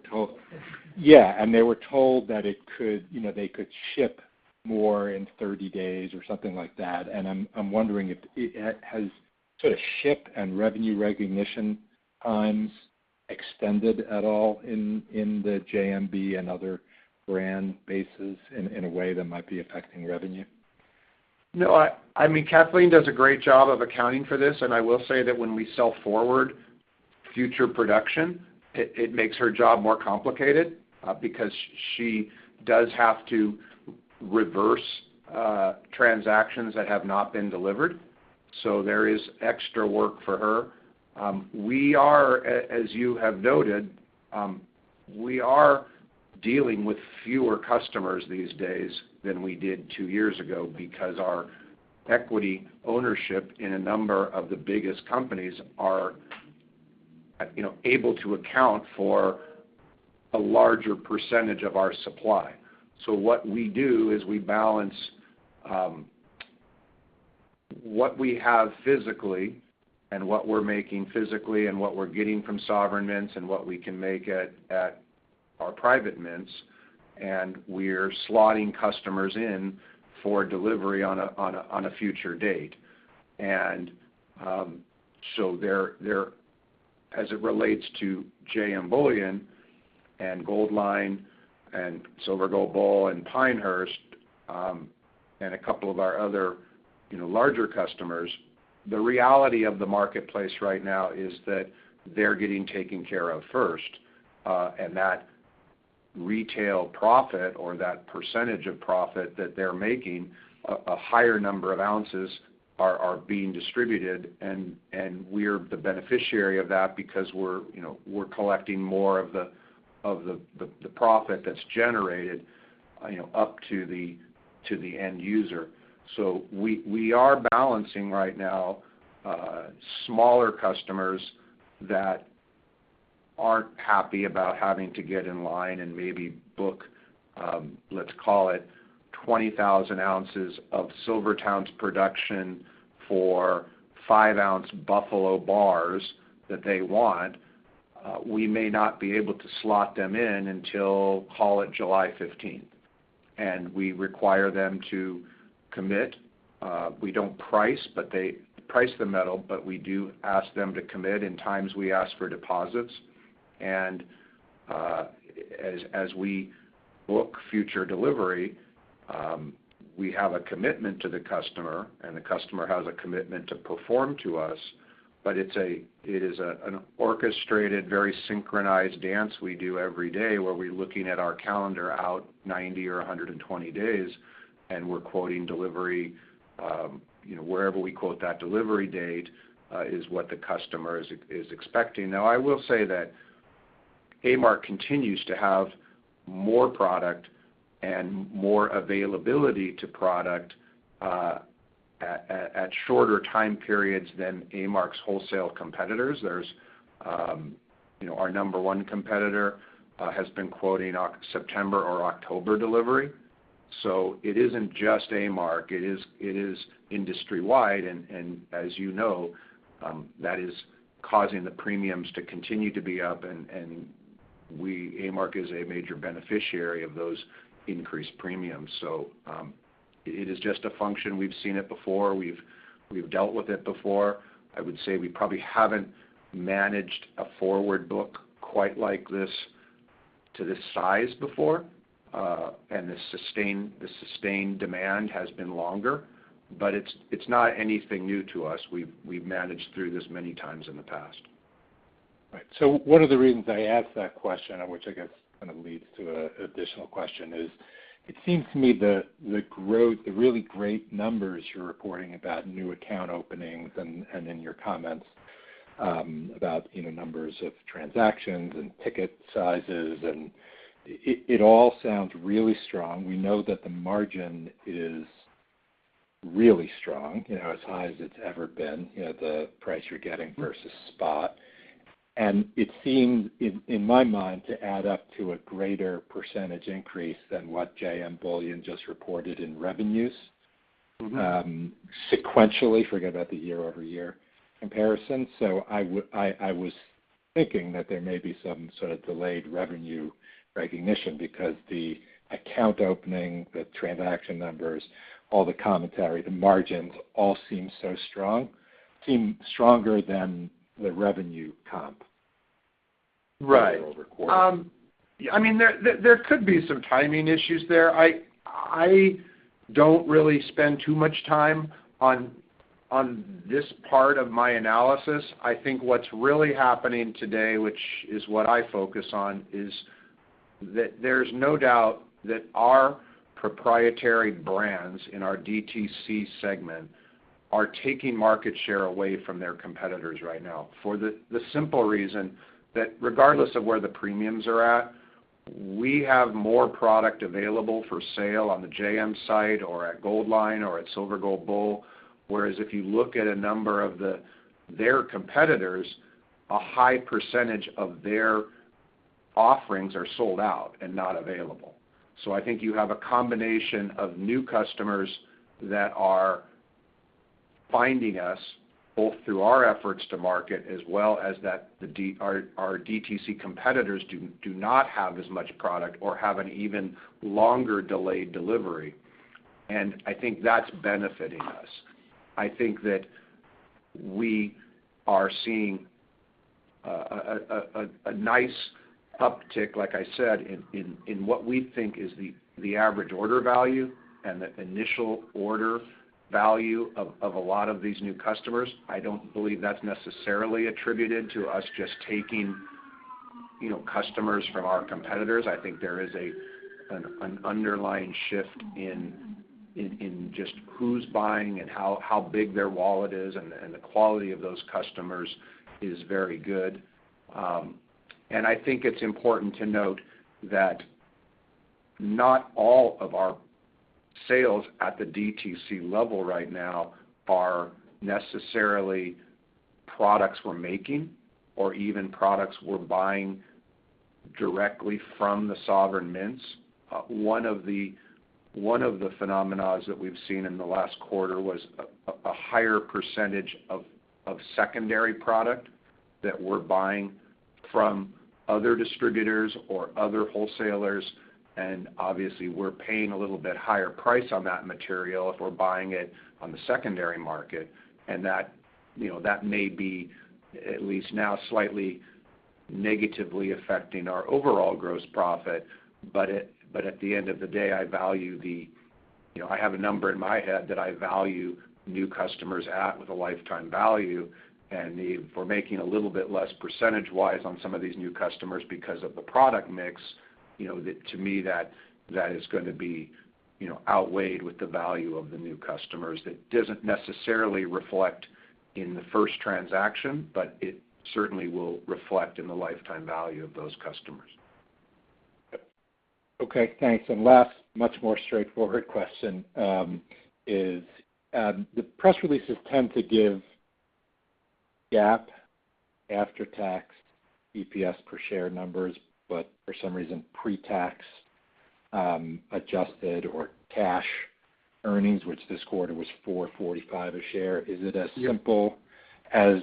Yeah. They were told that it could you know, they could ship more in 30 days or something like that. I'm wondering if has sort of shipping and revenue recognition times extended at all in the JMB and other brand bases in a way that might be affecting revenue? No. I mean, Kathleen does a great job of accounting for this, and I will say that when we sell forward future production, it makes her job more complicated, because she does have to reverse, transactions that have not been delivered. There is extra work for her. We are, as you have noted, dealing with fewer customers these days than we did two years ago because our equity ownership in a number of the biggest companies are, you know, able to account for a larger percentage of our supply. What we do is we balance, what we have physically and what we're making physically and what we're getting from sovereign mints and what we can make at, our private mints, and we're slotting customers in for delivery on a future date. There as it relates to JM Bullion and Goldline and Silver Gold Bull and Pinehurst Coin Exchange, and a couple of our other, you know, larger customers, the reality of the marketplace right now is that they're getting taken care of first. That retail profit or that percentage of profit that they're making, a higher number of ounces are being distributed, and we're the beneficiary of that because we're, you know, we're collecting more of the profit that's generated, you know, up to the end user. We are balancing right now smaller customers that aren't happy about having to get in line and maybe book 20,000 ounces of SilverTowne's production for 5-ounce Buffalo bars that they want. We may not be able to slot them in until call it July 15th. We require them to commit. We don't price, but they price the metal, but we do ask them to commit. In times we ask for deposits. As we book future delivery, we have a commitment to the customer, and the customer has a commitment to perform to us. It is an orchestrated, very synchronized dance we do every day, where we're looking at our calendar out 90 or 120 days, and we're quoting delivery, you know, wherever we quote that delivery date is what the customer is expecting. Now, I will say that A-Mark continues to have more product and more availability to product at shorter time periods than A-Mark's wholesale competitors. There's you know, our number one competitor has been quoting September or October delivery. It isn't just A-Mark, it is industry-wide. As you know, that is causing the premiums to continue to be up, and A-Mark is a major beneficiary of those increased premiums. It is just a function. We've seen it before. We've dealt with it before. I would say we probably haven't managed a forward book quite like this to this size before. The sustained demand has been longer. It's not anything new to us. We've managed through this many times in the past. Right. One of the reasons I asked that question, and which I guess kind of leads to an additional question, is it seems to me the growth, the really great numbers you're reporting about new account openings and in your comments, about, you know, numbers of transactions and ticket sizes, and it all sounds really strong. We know that the margin is really strong, you know, as high as it's ever been, you know, the price you're getting versus spot. It seems, in my mind, to add up to a greater percentage increase than what JM Bullion just reported in revenues. Sequentially. Forget about the year-over-year comparison. I was thinking that there may be some sort of delayed revenue recognition because the account opening, the transaction numbers, all the commentary, the margins, all seem so strong. Seem stronger than the revenue comp. Right I mean, there could be some timing issues there. I don't really spend too much time on this part of my analysis. I think what's really happening today, which is what I focus on, is that there's no doubt that our proprietary brands in our DTC segment are taking market share away from their competitors right now. For the simple reason that regardless of where the premiums are at, we have more product available for sale on the JM site or at Goldline or at Silver Gold Bull. Whereas if you look at a number of their competitors, a high percentage of their offerings are sold out and not available. I think you have a combination of new customers that are finding us both through our efforts to market as well as that our DTC competitors do not have as much product or have an even longer delayed delivery. I think that's benefiting us. I think that we are seeing a nice uptick, like I said, in what we think is the average order value and the initial order value of a lot of these new customers. I don't believe that's necessarily attributed to us just taking, you know, customers from our competitors. I think there is an underlying shift in just who's buying and how big their wallet is, and the quality of those customers is very good. I think it's important to note that not all of our sales at the DTC level right now are necessarily products we're making or even products we're buying directly from the sovereign mints. One of the phenomena that we've seen in the last quarter was a higher percentage of secondary product that we're buying from other distributors or other wholesalers, and obviously we're paying a little bit higher price on that material if we're buying it on the secondary market. That, you know, that may be at least now slightly negatively affecting our overall gross profit. At the end-of-the-day, I value the, you know, I have a number in my head that I value new customers at with a lifetime value. if we're making a little bit less percentage-wise on some of these new customers because of the product mix, you know, that to me is gonna be, you know, outweighed with the value of the new customers. That doesn't necessarily reflect in the first transaction, but it certainly will reflect in the lifetime value of those customers. Okay, thanks. Last, much more straightforward question, is the press releases tend to give GAAP, after-tax, EPS per share numbers, but for some reason, pre-tax, adjusted or cash earnings, which this quarter was $4.45 a share. Is it as simple as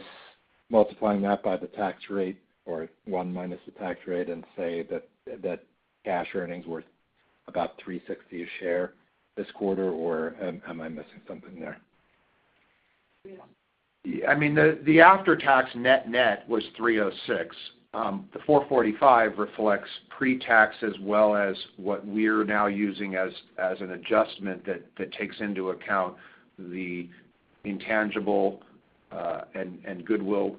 multiplying that by the tax rate or one minus the tax rate and say that cash earnings were about $3.60 a share this quarter, or am I missing something there? I mean, the after-tax net-net was $3.06. The $4.45 reflects pre-tax as well as what we're now using as an adjustment that takes into account the intangible and goodwill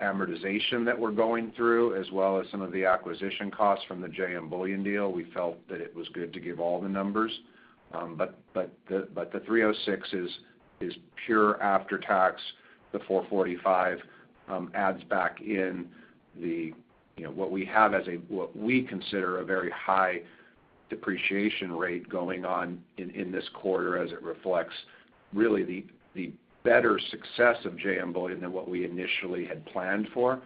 amortization that we're going through, as well as some of the acquisition costs from the JM Bullion deal. We felt that it was good to give all the numbers. The $3.06 is pure after-tax. The $4.45 adds back in the, you know, what we have as what we consider a very high depreciation rate going on in this quarter as it reflects really the better success of JM Bullion than what we initially had planned for.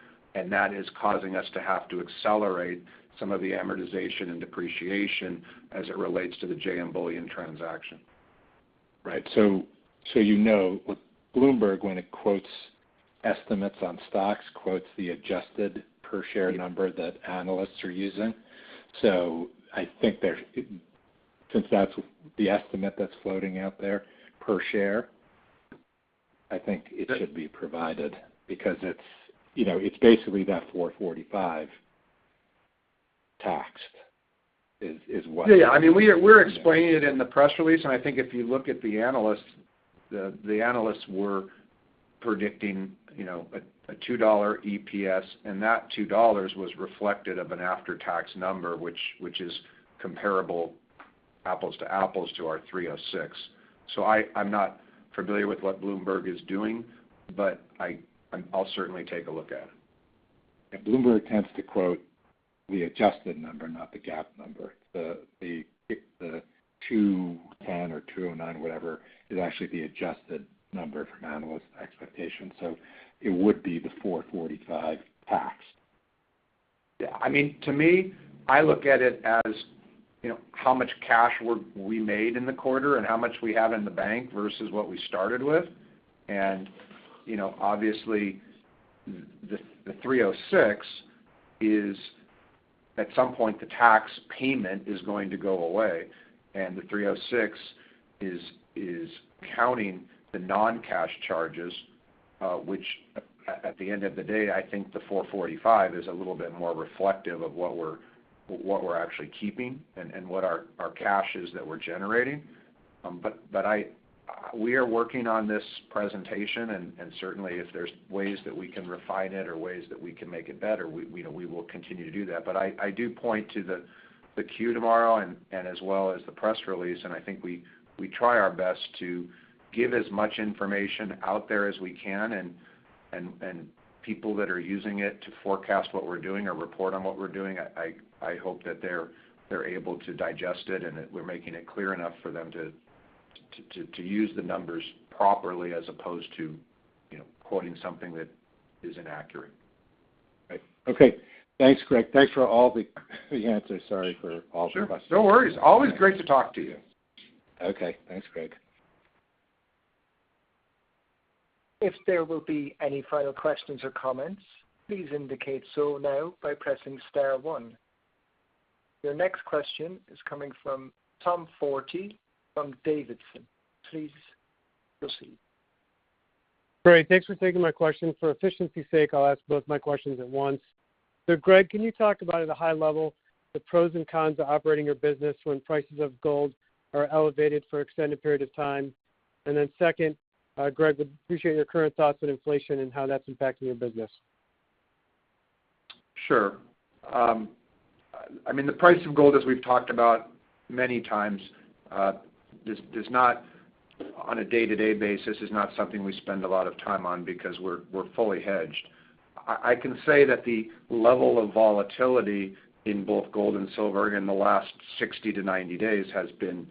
That is causing us to have to accelerate some of the amortization and depreciation as it relates to the JM Bullion transaction. Right. You know, with Bloomberg, when it quotes estimates on stocks, quotes the adjusted per share number that analysts are using. Since that's the estimate that's floating out there per share, I think it should be provided because it's, you know, it's basically that $4.45 that's what. Yeah. I mean, we're explaining it in the press release. I think if you look at the analysts, the analysts were predicting, you know, a $2 EPS, and that $2 was reflective of an after-tax number, which is comparable apples to apples to our 3.06. I'm not familiar with what Bloomberg is doing, but I'll certainly take a look at it. Bloomberg tends to quote the adjusted number, not the GAAP number. The 2.10 or 2.09, whatever, is actually the adjusted number from analysts' expectations. It would be the 4.45 taxed. Yeah. I mean, to me, I look at it as, you know, how much cash we made in the quarter and how much we have in the bank versus what we started with. You know, obviously, the $306. At some point, the tax payment is going to go away, and the $306 is counting the non-cash charges, which at the end-of-the-day, I think the $445 is a little bit more reflective of what we're actually keeping and what our cash is that we're generating. We are working on this presentation, and certainly if there's ways that we can refine it or ways that we can make it better, you know, we will continue to do that. I do point to the Q tomorrow and as well as the press release, and I think we try our best to give as much information out there as we can. People that are using it to forecast what we're doing or report on what we're doing, I hope that they're able to digest it and that we're making it clear enough for them to use the numbers properly as opposed to, you know, quoting something that is inaccurate. Right. Okay. Thanks, Greg. Thanks for all the answers. Sorry for all the questions. Sure. No worries. Always great to talk to you. Okay. Thanks, Greg. If there will be any final questions or comments, please indicate so now by pressing star one. Your next question is coming from Tom Forte from Davidson. Please proceed. Great. Thanks for taking my question. For efficiency's sake, I'll ask both my questions at once. Greg, can you talk about at a high level, the pros and cons of operating your business when prices of gold are elevated for extended period of time? Second, Greg, would appreciate your current thoughts on inflation and how that's impacting your business? Sure. I mean, the price of gold, as we've talked about many times, does not on a day-to-day basis, is not something we spend a lot of time on because we're fully hedged. I can say that the level of volatility in both gold and silver in the last 60-90 days has been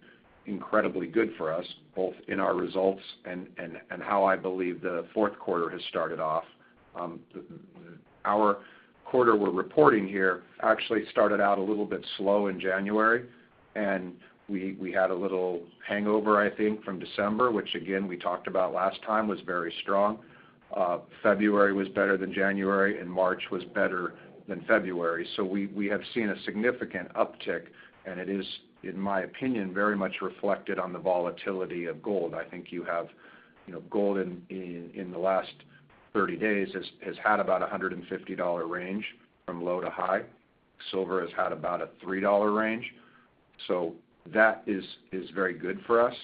incredibly good for us, both in our results and how I believe the Q4 has started off. Our quarter we're reporting here actually started out a little bit slow in January, and we had a little hangover, I think, from December, which again, we talked about last time, was very strong. February was better than January, and March was better than February. We have seen a significant uptick, and it is, in my opinion, very much reflected on the volatility of gold. I think you have, you know, gold in the last 30 days has had about a $150 range from low to high. Silver has had about a $3 range. That is very good for us.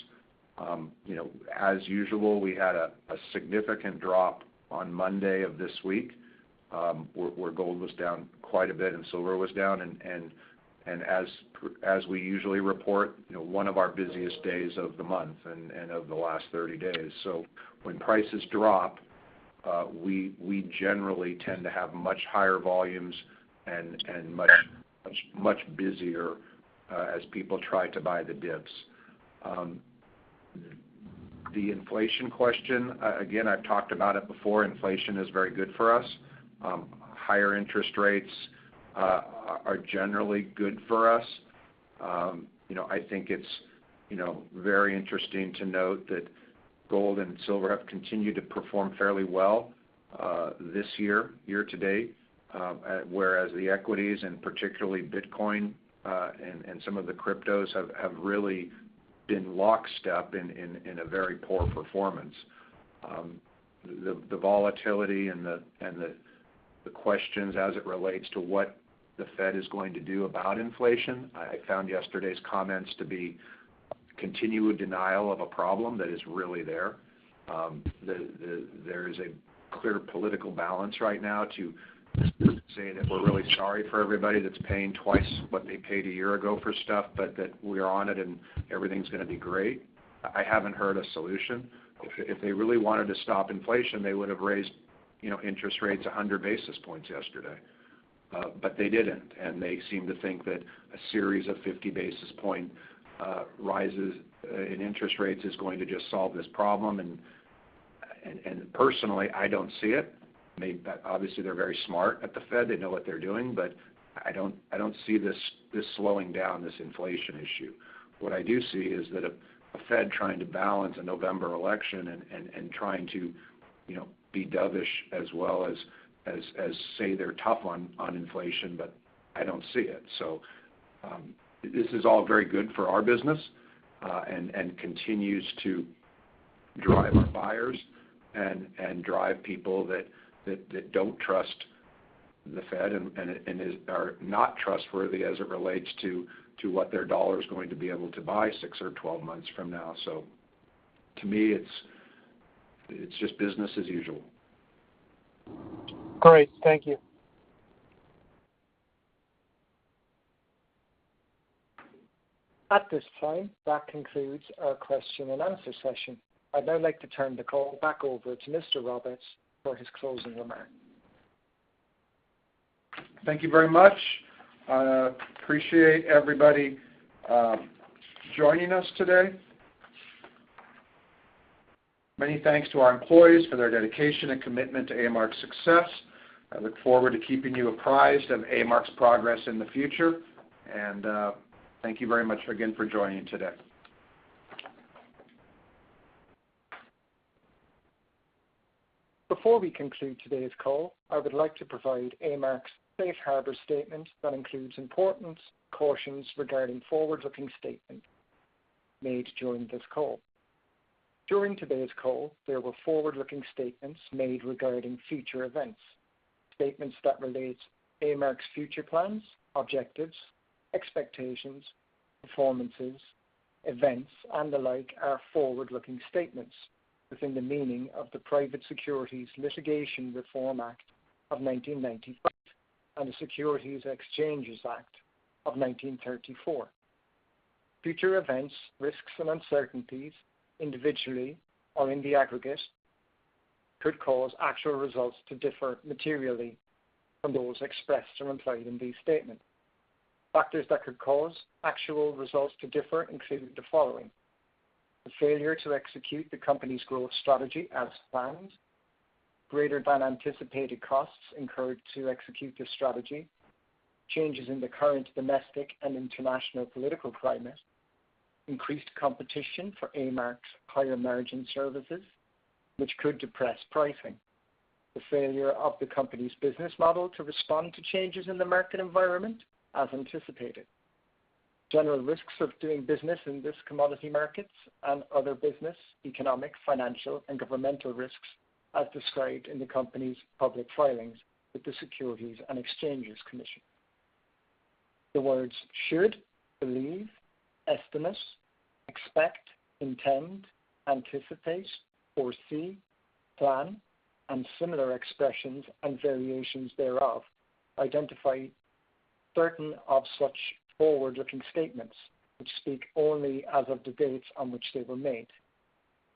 You know, as usual, we had a significant drop on Monday of this week, where gold was down quite a bit and silver was down and as we usually report, you know, one of our busiest days of the month and of the last 30 days. When prices drop, we generally tend to have much higher volumes and much busier, as people try to buy the dips. The inflation question, again, I've talked about it before. Inflation is very good for us. Higher interest rates are generally good for us. You know, I think it's very interesting to note that gold and silver have continued to perform fairly well this year-to-date, whereas the equities and particularly Bitcoin and some of the cryptos have really been lockstep in a very poor performance. The volatility and the questions as it relates to what the Fed is going to do about inflation. I found yesterday's comments to be continued denial of a problem that is really there. There is a clear political balance right now to say that we're really sorry for everybody that's paying twice what they paid a year-ago for stuff, but that we are on it and everything's gonna be great. I haven't heard a solution. If they really wanted to stop inflation, they would have raised, you know, interest rates 100 basis points yesterday. But they didn't, and they seem to think that a series of 50 basis points rises in interest rates is going to just solve this problem. Personally, I don't see it. Obviously they're very smart at the Fed. They know what they're doing, but I don't see this slowing down, this inflation issue. What I do see is that the Fed trying to balance a November election and trying to, you know, be dovish as well as say they're tough on inflation, but I don't see it. This is all very good for our business, and continues to drive our buyers and drive people that don't trust the Fed and are not trustworthy as it relates to what their dollar is going to be able to buy six or 12 months from now. To me, it's just business as usual. Great. Thank you. At this time, that concludes our question and answer session. I'd now like to turn the call back over to Mr. Roberts for his closing remarks. Thank you very much. Appreciate everybody joining us today. Many thanks to our employees for their dedication and commitment to A-Mark's success. I look forward to keeping you apprised of A-Mark's progress in the future. Thank you very much again for joining today. Before we conclude today's call, I would like to provide A-Mark's safe harbor statement that includes important cautions regarding forward-looking statements made during this call. During today's call, there were forward-looking statements made regarding future events. Statements that relate A-Mark's future plans, objectives, expectations, performances, events, and the like are forward-looking statements within the meaning of the Private Securities Litigation Reform Act of 1995 and the Securities Exchange Act of 1934. Future events, risks, and uncertainties individually or in the aggregate could cause actual results to differ materially from those expressed or implied in these statements. Factors that could cause actual results to differ include the following: the failure to execute the company's growth strategy as planned, greater than anticipated costs incurred to execute this strategy, changes in the current domestic and international political climate, increased competition for A-Mark's higher margin services which could depress pricing, the failure of the company's business model to respond to changes in the market environment as anticipated, general risks of doing business in these commodity markets and other business, economic, financial, and governmental risks as described in the company's public filings with the Securities and Exchange Commission. The words should, believe, estimate, expect, intend, anticipate, foresee, plan and similar expressions and variations thereof identify certain of such forward-looking statements, which speak only as of the dates on which they were made.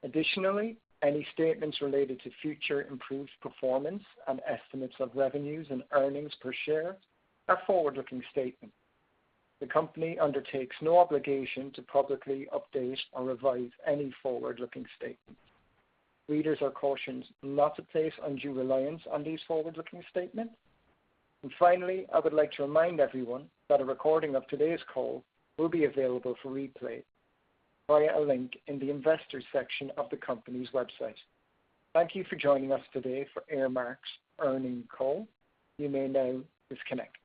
Additionally, any statements related to future improved performance and estimates of revenues and earnings per share are forward-looking statements. The company undertakes no obligation to publicly update or revise any forward-looking statements. Readers are cautioned not to place undue reliance on these forward-looking statements. Finally, I would like to remind everyone that a recording of today's call will be available for replay via a link in the investors section of the company's website. Thank you for joining us today for A-Mark's earnings call. You may now disconnect.